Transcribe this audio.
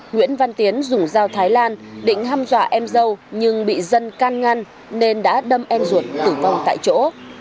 nguyễn văn tiến dùng dao thái lan định ham dọa em dâu nhưng bị dân can ngăn nên đã đâm em ruột tử vong tại chỗ